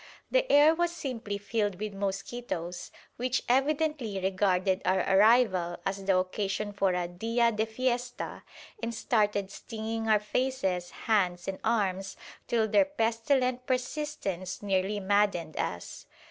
The air was simply filled with mosquitoes, which evidently regarded our arrival as the occasion for a "dia de fiesta," and started stinging our faces, hands, and arms till their pestilent persistence nearly maddened us.